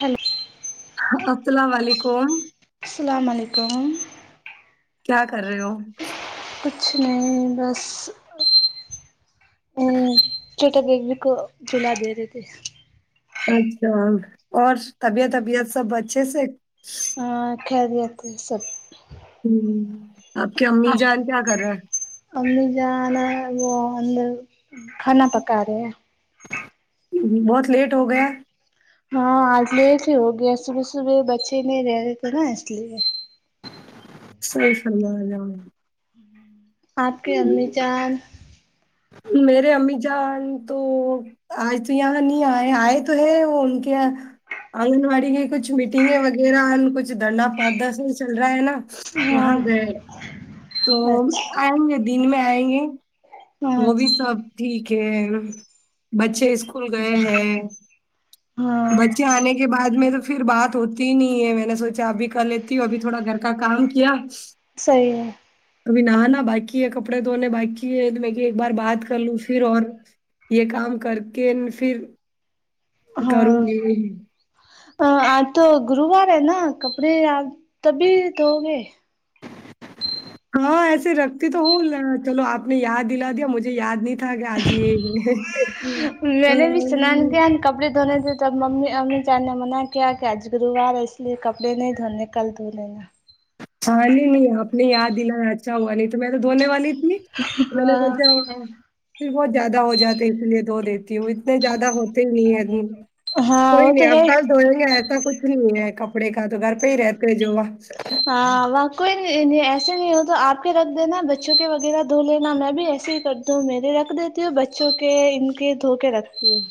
hello السلام علیکم السلام علیکم کیا کر رہے ہو کچھ نہیں بس چھوٹا بیبی کو جھلا دے رہے تھے اچھا اور طبیعت ابیعت سب اچھے سے ہاں خریت سے ہے سب ہمم آپ کی امی جان کیا کر رہے ہے امی جان وہ اندر کھانا پکارے ہے بہت لیٹ ہو گیا ہاں آج لٹ ہی ہو گیا صبح صبح بچے نہیں رہ رہے تھے نا اس لیے صحیح فرمایا آپ کے امی جان میرے امی جان تو آج تو یہاں نہیں آئے آئے تو ہے وہ ان کے یہاں آنگن واڑی کی کچھ میٹنگیں وغیرہ کچھ دھنڈنا پردرشن چل رہا ہے نا ہاں وہاں گئے تو اچھا آئیں گے دن میں آئیں گے ہاں وہ بھی سب ٹھیک ہے بچے اسکول گئے ہیں ہاں بچے آنے کے بعد میں تو پھر بات ہوتی ہی نہیں ہے میں نے سوچا ابھی کر لیتی ہو ابھی تھوڑا گھر کا کام کیا صحیح ہے ابھی نہانا باقی ہے کپڑے دونے باقی ہے ایک بار بات کر لوں پھر اور یے کام کر کے پھر کروں ہاں گی اج تو گروور ہے نا کپڑے آج تبھی دھو گے ہاں ایسے رکھتی تو ہوں چلو آپ نے یاد دلا دیا مجھے یاد نہیں تھا کے آج یے میں نے بھی سنان کیا [unintelligible] کپڑے دھونے تھے تو اب ممی امی چان نے منع کیا کہ آج گرووار ہے اس لیے کپڑے نہیں دھونے کل دھو لینا ہاں نہیں نہیں آپ نے یاد دلایا اچھا ہوا نہیں تو میں تو دھونے والی تھی میں نے ہاں سونچا ہوگا پھر بہت زیادہ ہو جاتے ہیں اسی لیے دھو دیتی ہوں اتنے زیادہ ہوتے نہیں ہیں ہاں کوئی وہ تو نہیں اپ ہے کل دوڑیں گے ایسا کچھ ہے کپڑے کا تو گھر پہ ہی رہتے جوا ہاں و کوئی ایسے نہیں ہو تو آپ کے رکھ دینا بچوں کے وغیرہ دھ لینا میں بھی ایسے ہی کرتی تو میرے رکھ دیتی ہو بچوں کے ان کے دھو کے رکھتی ہووں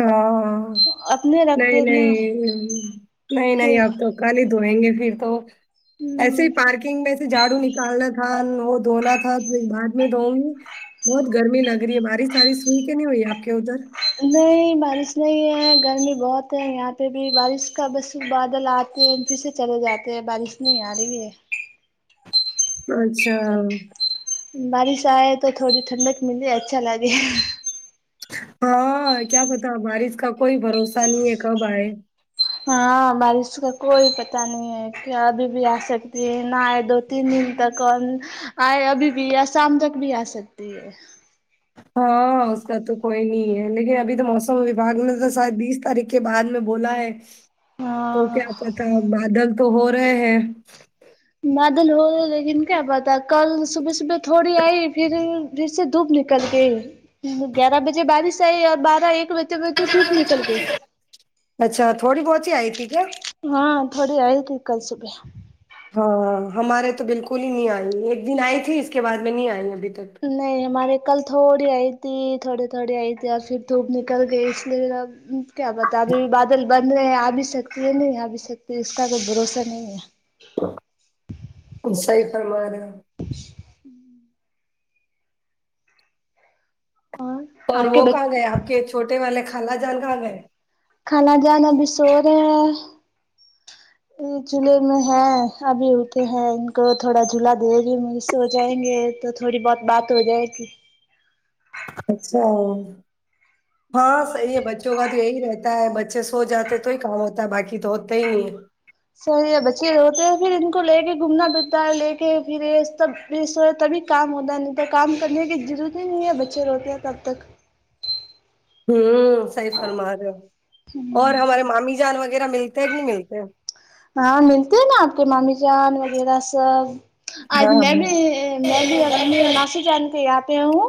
ہاں رکھ نہیں دینا نہیں نہیں نہیں اب تو کل ہی دھوئیں گے پھر تو ایسے ہی پارکنگ میں سے جھاڑو نکالنا ان وہ دھونا تھا تو بعد میں دھؤ ی بہت گرمی لگ رہی ہے بار ش ہارس ی سوئی کے نہیں ہوئی ہے آپ کے ادھر نہیں بارش نہیں ہے گرمی بہت ہے یہاں پہ بھی بارش کا بس بادل آتا پھر سے چلے جاتے ہیں بارش نہیں آ رہی ہے اچھا بارش آئے تو تھوڑی ٹھنڈک ملے اچھا لگے ہاں کیا پتا بارش کا کوئی بھروسہ نہیں ہے کب آئے ہاں بارش کا کوئی پتا نہیں ہے کیا ابھی بھی آ سکتی ہے نہئے دو تین دن تک اور آئے ابھی بھی یا شام تک بھی آ سکتی ہے ہاں اس کا تو کوئی نہیں ہے لیکن ابھی تو موسم وباگ نے تو شاید بیس تاریخ کے بعد میں بولا ہے تو ہاں کیا پتا بادل تو ہو رہے ہیں معادل ہو گئے لیکن کیا پتہ کل صبح صبح تھوڑی آئی پھر پھر سے دھوپ نکل گئی گیارہ بجے بارش آئی اور بارہ ایک بجے تو دھو پ ی نکل گئیں اچھا تھوڑی بہت ہی آئی تھی کیا ہاں تھوڑی آئی تھی کل صبح ہاں ہاں ہمارے تو بالکل ہی نہیں آئی ایک دن آئی تھی اس کے بعد میں نہیں آئی ابھی تک نہیں ہمارے کل تھوڑی آئی تھی تھوڑی تھوڑی آئی تھی اور پھر دھوپ نکل گئی اس لیے ا کیا بتا ابھی بادل بن رہے ہیں آ بھی سکتی ہے نہیں آ بھی سکتی اس کا کوئی بھروسہ نہیں ہے تم صحیح فرمارہی ہو اور آپ کے وہ کہاں بچ گئے آپ کے چھوٹے والے خالا جان کہاں گئے خالا جان ابھی سو رہے ہیں یہ جولہے میں ہے ابھی اٹھے ہیں ان کو تھوڑا جھولا دے گی م سو جائیں گے تو تھوڑی بہت بات ہو جائے گی اچھا ہاں صحیح ہے بچوں کا تو یہی رہتا ہے بچے سو جاتے تو ہی کام ہوتا ہے باقی تو ہوتے ہی نہیں صحیح ہے بچے جو ہوتے ہیں پھر ان کو لے کے گھومنا پھرتا ہے لے کے پھر یہ سب یہ سو تبھی کام ہوتا ہے نہیں تو کام کرنے کی ضرورت ہی نہیں ہے بچے روتے ہیں تب تک ہوں صیح فرما رہے اور ہمارے مامی جان وغیرہ ملتے ہیں کہ نہیں ملتے ہاں ملتے ہیں نا آپ کے مامی جان وغیرہ سب آج ہاں میں ہاں بھی میں بھی اپنی ماسی جان کے آاں پہ ہوں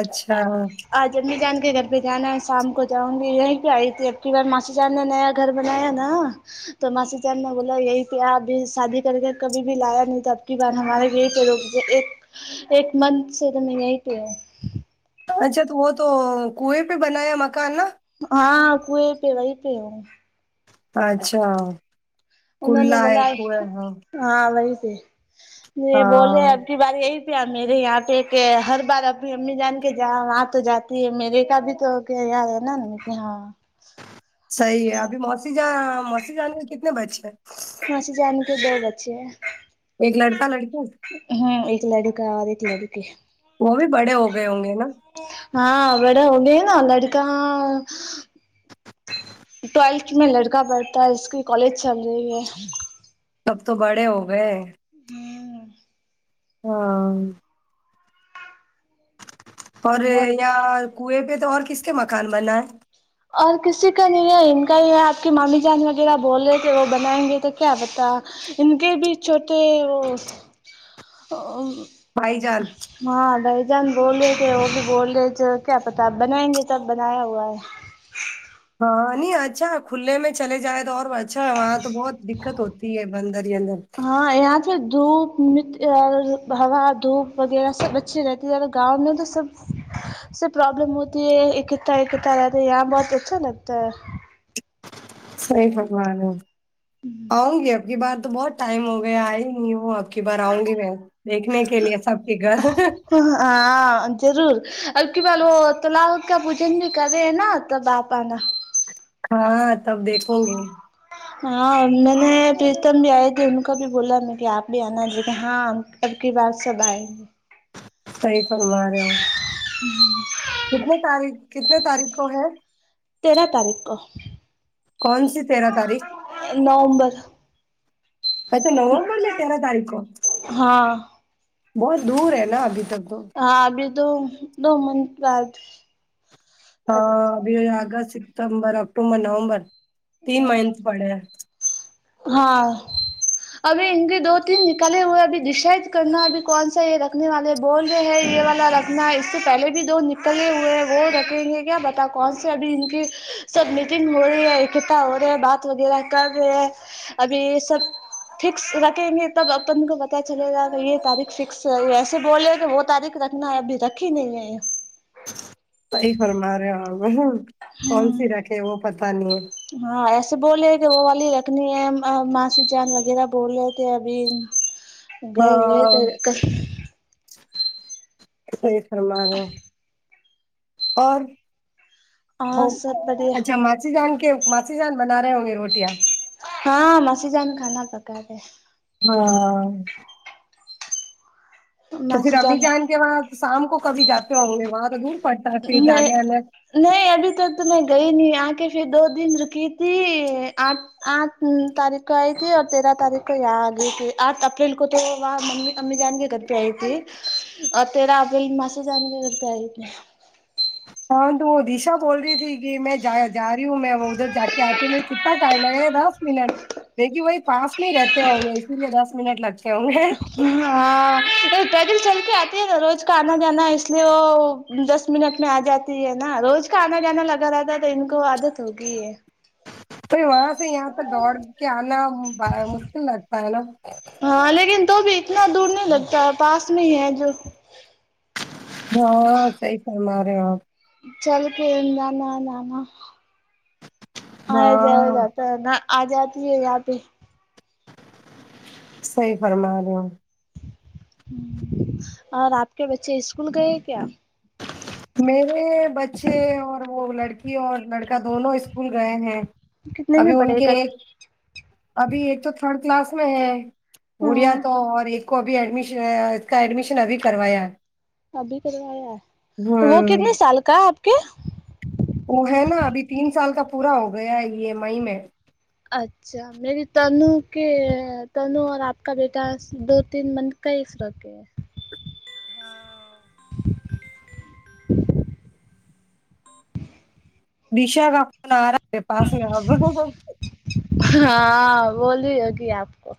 اچھا ا امی جان کے گھر پہ جانا ہے شام کو جاؤں گی یہیں پہ آئی تھی اب کی بار ماسی جان نے نیا گھر بنایا نا تو ماسی جان نے بولا یہی کیا ابھی شادی کر کے کبھی بھی لایا نہیں تو اب کی بارہمارے یہ لو ایک ایک منتھ سے تو میں یہیں پہ ہ اچھا تو وہ تو کنویں پہ بنایا مکان نا ہاں کنویں پہ وہی پہ ہے اچھا انہوں نے کلا ہے بولا ک ہاں ہاں وہی تھی یہ بولے ہاں اب کی بار یہی پہ میرے یہاں پہ کہ ہر بار ابھی امی جان کے جا وہاں تو جاتے یہ میرے کا بھی تو کیا یار ہے نا ہاں صحیح ہے ابھی موسی جا موسی جان ے کے کتنے بچے ہیں موسی جان کے دو بچے ہیں ایک لڑکا لڑکی ہمم ایک لڑکا اور ایک لڑکی وہ بھی بڑے ہو گئے ہوں گے نا ہا بڑے ہونگے ہی نا لڑ کا ٹویلتھ میں لڑکا پڑھتا ہے اس کی کالج چل رہی ہے تب تو بڑے ہوگئے ہے آمم ہاں اور ہے بہت یا کنویں پے تو اور کس کے مکان بنا ہے اور کسی کا نہیں ہے ان کا ہی ہے آپ کے مامی جان وغیرہ بول رہے تھے وہ بنائیں گے تو کیا پتہ ان کے بھی چھوٹے وہ بھائی جان ہاں بھائی جان بول رہے تھے وہ بھی بول رہے تھے کیا پتہ بنائیں گے تب بنایا ہوا ہے ہاں نہیں اچھا کھلے میں چلے جائے تو اور اچھا وہاں تو بہت دقت ہوتی ہے اندر ہی اندر ہاں یہاں دھوپ مت ہوا دھوپ وغیرہ سب اچھی رہتی ہے اور گاؤں میں تو سب سے پرابلم ہوتی ہے ایک کتا ایک کتا رہتے ہے یہاں بہت اچھا لگتا ہے صحیح فرما رہے ہو آؤں گی اب کی بار تو بہت ٹائم ہو گیا آئ ہی نہیں ہوں اب کی بار آؤں گی میں دیکھنے کے لیے سب کے گھر ہاں ضرور اب کی بار وہ تلاوت کا پوجن بھی کرے ہے نا تب آپ آنا ہاں تب دیکھوں گی ہاں میں نے پستم بھی آئے تھے ان کا بھی بولا میں کہا آپ بھی آنا بولے کے ہاں اب کی بار سب ائیں گے صحیح فرمارہے ہو ہمم کتنے تاریخ کتنے تاریخ کو ہے تیرہ تاریخ کو کون سی تیرہ تاریخ نومبر اچھا نومبر نے تیرا تاریخ کو ہاں بہت دور ہے نا ابھی تک تو ہاں ابھی تو دو منتھ سات ہاں ابھی آگسٹ ستمبر اکتوبر نومبر تین ہاں مہینے پڑے ہیں ہاں ابھی ان کے دو تین نکالے ہوئے ابھی ڈشائیڈ کرنا ابھی کون سا یے رکھنے والے بول رہے ہیں یے والا رکھنا اس سے پہلے بھی دو نکلے ہوئے وہ رکھیں گے کیا پتہ تا کون سی ابھی ان کی سب میٹنگ ہو رہی ہے ایک کتا ہو رہے ہے بات وغیرہ کر رہے ہیں ابھی یے سب فکس رکھیں گے تب اپن کو پتہ چلے گا کہ یے تاریخ فکس ہے ایسے بولے کہ وہ تاریخ رکھ نا ابھی رکھی نہیں ہے صحیح فرما رہے آپ کون سی ہوں رکھے وہ پتہ نہیں ہے ہاں ایسے بول رہے کہ وہ والی رکھنی ہے ماسی جان وغیرہ بول رہے تھے ابھی گئے ہوئے ہاں تو صحیح فرما رہے ہیں اور ہاں سب بڑھیا اچھا ماسی جان کے ماسی جان بنا رہے ہوں گے روٹیاں ہاں ماسی جان کھانا پکا رہے ہے ہاں تو پھر ابھی جان کے وہاں شام کو کبھی جاتے ہوں گے وہاں تو دور پڑتا ہے پھر میں جانے آنے نہیں ابھی تک تو میں گئی نہیں آ کے پھر دو دن رکی تھی آج آٹھ تاریخ کو آئی تھی اور تیرہ تاریخ کو یہاں آگئی تھی آٹھ اپریل کو تو وہاں ممی امی جان کے گھر پے ائی تھی تیرا اپریل ماسی جان کے گھر پے ائی تھی ہاں وہ دشا بول رہی تھی کی میں جایا جاری ہوں میں وہ ادھر جا کے آتی ہوں مے کتنا ٹائم لگا دس منٹ لیکن وہی پاس میں ہی رہتے ہوں گے اسی لیے دس منٹ لگتے ہوں گے ہاں پیدل چل کے آتی ہے نا روز کا آنا جانا ہے اس لیے وہ دس منٹ میں آ جات تی ہے نا روز کا انا جانا لگا رہتا ہے تو ان کو عادت ہوگئی ہے تو وہاں سے یہاں تک دوڑ کے آنا مشکل لگتا ہے نا ہاں لیکن تو بھی اتنا دور نہیں لگتا پاس میں ہی ہے جو ہاں صحیح فرما رہے ہو آپ چل کے [unintelligible] نانا آیا جایا ہاں جاتا ہے نہ آ جاتی ہے یہاں پے صحیح فرما رہے ہو اور آپ کے بچے اسکول گئے کیا میرے بچے اور وہ لڑکی اور لڑکا دونوں اسکول گئے ہیں کتنے میں ابھی پڑے ان ہیں کے کک ایک ابھی ایک تو تھرڈ کلاس میں ہے گڑیا ہاں تو اور ایک کو بھی ایڈش اس کا ایڈمیشن ابھی کروایا ابھی کروایا ہے وہ ہوں کتنے سال کا ہے آپ کے وہ ہے نا ابھی تین سال کا پورا ہو گیا ہے یے میی میں اچھا اچھا میری تنو کے تنو اور آپ کا بیٹا دو تین منتھ کا ہی فرق ہے دشا کا فون ارہا ہے میرے پاس اب ہاں بول رہی ہوگی آپ کو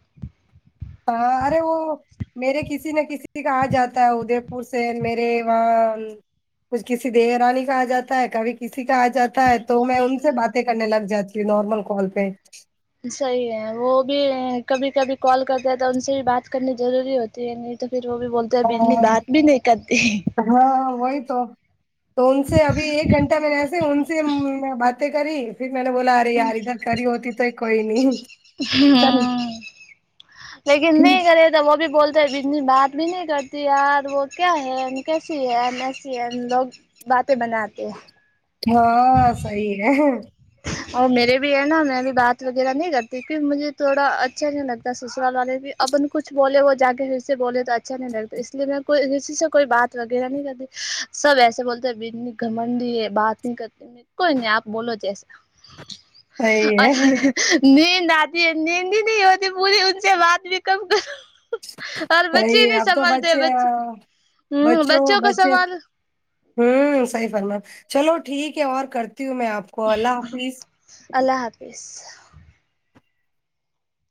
ہاں ارے وہ میرے کسی نا کسی کا آجاتا ہے ادے پور سے میرے وہاں کچھ کسی دیورانی کا آ جاتا ہے کبھی کسی کا آ جاتا ہے تو میں ان سے باتیں کرنے لگ جاتی ہوں نارمل کال پے صحیح ہے وہ بھی کبھی کبھی کال کرتے ہیں تو ان سے بھی بات کرنی ضروری ہو تی ہے نہیں تو پھر وہ بھی بولتے اب اتنی ہاں بات بھی نہیں کرتی ہاں وہی تو تو ان سے ابھی ایک گھن ٹہ میں نے ایسے ان سے باتیں کری پھر میں نے بولا ارے یار ادھر کری ہوتی تو ہی کوئی نہیں چل ہمم لیکن نہیں ٹھیک کرے وہ بھی بولتے ہیں اتنی بات بھی نہیں کرتی یار وہ کیا ہے کیسی ہے ایسی ہے لوگ باتیں بناتے ہیں ہاں صحیح ہے اور میرے بھی ہے نا میں بھی بات وغیرہ نہیں کرتی پھر مجھے تھوڑا اچھا نہیں لگتا سسرال والے بھی اپن کچھ بولے وہ جا کے کسی سے بولے تو اچھا نہیں لگتا اس لیے میں کوئی کسی سے کوئی بات وغیرہ نہیں کرتی سب ایسے بولتے ہیں بیندنی گھمنڈی ہے بات نہیں کرتے میں کوئی نہیں آپ بولو جیسے صحیح اور ہے نیند آتی ہے نیند ہی نہیں ہوتی پوری ان سے بات بھی کم کر اور صحیح بچے ہے نہیں اب تو سنبھلتے آ، بچے ہمم بچوں کو سنبھالوں ہمم صحیح فرما چلو ٹھیک ہے اور کرتی ہوں میں آپ کو اللہ حافظ اللہ حافظ